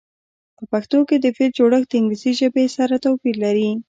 په پښتو کې د فعل جوړښت د انګلیسي ژبې سره توپیر لري.